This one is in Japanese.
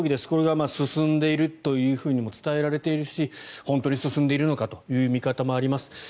これが進んでいるとも伝えられているし本当に進んでいるのかという見方もあります。